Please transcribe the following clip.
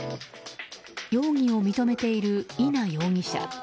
容疑を認めている伊奈容疑者。